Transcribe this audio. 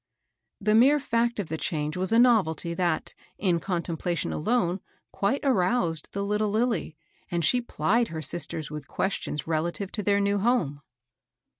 The mere feet of the change was a novelty that, in contemplation alone, quite aroused the little Lilly; and she plied her sisters with questions relative to their new home.